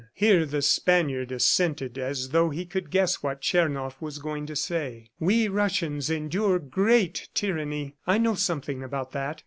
Here the Spaniard assented as though he could guess what Tchernoff was going to say. "We Russians endure great tyranny. I know something about that.